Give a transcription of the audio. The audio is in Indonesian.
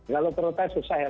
kalau protes susah ya